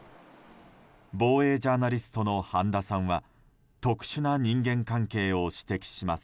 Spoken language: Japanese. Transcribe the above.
防衛ジャーナリストの半田さんは特殊な人間関係を指摘します。